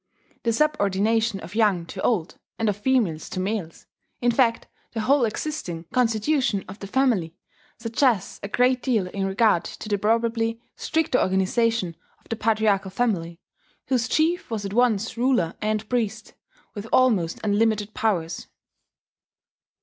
The subordination of young to old, and of females to males, in fact the whole existing constitution of the family, suggests a great deal in regard to the probably stricter organization of the patriarchal family, whose chief was at once ruler and priest, with almost unlimited powers.